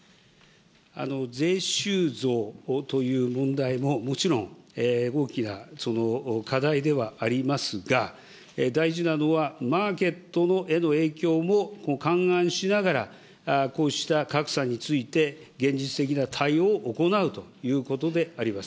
税収増という問題も、もちろん大きな課題ではありますが、大事なのは、マーケットへの影響も勘案しながら、こうした格差について現実的な対応を行うということであります。